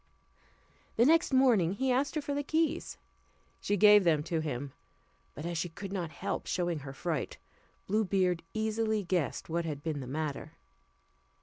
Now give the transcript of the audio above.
The next morning he asked her for the keys: she gave them to him; but as she could not help showing her fright, Blue Beard easily guessed what had been the matter.